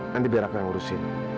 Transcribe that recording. nanti biar aku yang ngurusin